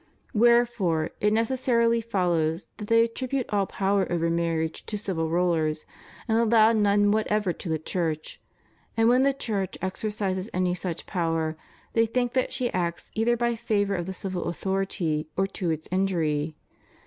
Wherefore it necessarily follows that they attribute all power over marriage to civil rulers, and allow none whatever to the Church; and when the Church exercises any such power, they think that she acts either by favor of the civil author ity or to its injury.